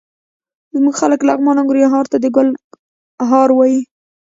زموږ خلک لغمان او ننګرهار ته د ګل هار وايي.